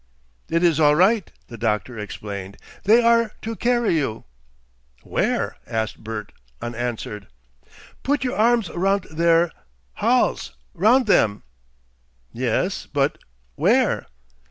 "It is all right," the doctor explained; "they are to carry you." "Where?" asked Bert, unanswered. "Put your arms roundt their hals round them!" "Yes! but where?"